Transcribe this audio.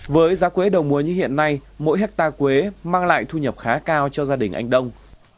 với giá quế đầu mùa như hiện nay mỗi hectare quế mang lại thu nhập khá cao cho gia đình anh đông